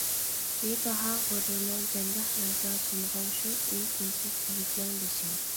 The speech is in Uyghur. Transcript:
بىباھا غۇرۇرنىڭ جەڭگاھلىرىدا، سۇنغان شۇ ئۈن-تىنسىز يىگىتنىڭ بېشى.